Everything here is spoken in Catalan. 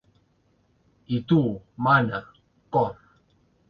I tu, mana, cor.